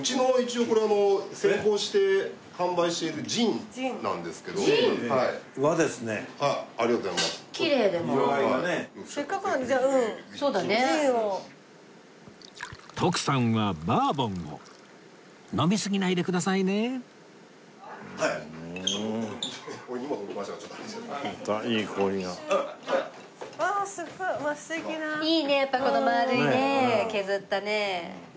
いいねやっぱこのまあるいね削ったね。